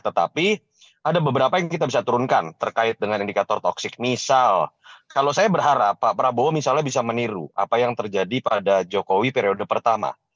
tetapi ada beberapa yang kita bisa turunkan terkait dengan indikator toxic misal kalau saya berharap pak prabowo misalnya bisa meniru apa yang terjadi pada jokowi periode pertama